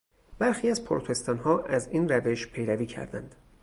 برخی از پروتستانها از این روش پیروی کردند.